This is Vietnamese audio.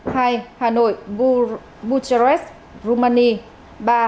hai hà nội bucharest rumania